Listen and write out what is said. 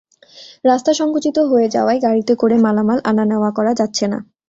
রাস্তা সংকুচিত হয়ে যাওয়ায় গাড়িতে করে মালামাল আনা-নেওয়া করা যাচ্ছে না।